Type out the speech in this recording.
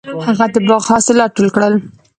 هغه د باغ حاصلات ټول کړل.